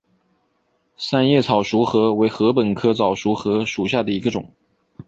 三叶早熟禾为禾本科早熟禾属下的一个种。